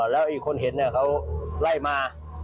แล้วอีกคนเห็นเขาไล่มา